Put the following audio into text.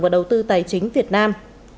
và đầu tư tài chính việt nam